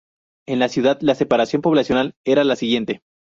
En la ciudad la separación poblacional era la siguiente.